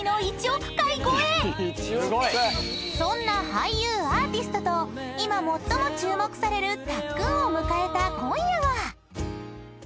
［そんな俳優アーティストと今最も注目されるタックンを迎えた今夜は］